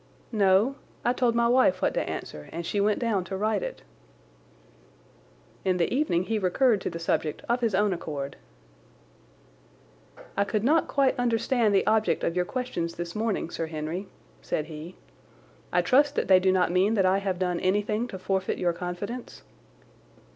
"No; I told my wife what to answer and she went down to write it." In the evening he recurred to the subject of his own accord. "I could not quite understand the object of your questions this morning, Sir Henry," said he. "I trust that they do not mean that I have done anything to forfeit your confidence?"